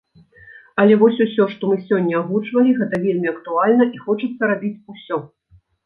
Але вось усё, што мы сёння агучвалі, гэта вельмі актуальна і хочацца рабіць усё!